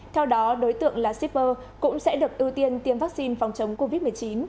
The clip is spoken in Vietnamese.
theo đó đối tượng là shipper cũng sẽ được ưu tiên tiêm vaccine phòng chống covid một mươi chín